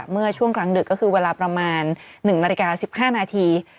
เมื่อช่วงกลางดึกก็คือเวลาประมาณ๑นาฬิกา๑๕นาที